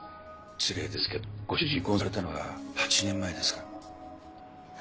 失礼ですけどご主人と離婚されたのは８年前ですか？